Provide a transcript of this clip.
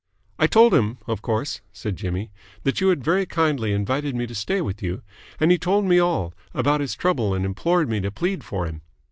"I told him, of course," said Jimmy, "that you had very kindly invited me to stay with you, and he told me all, about his trouble and implored me to plead for him.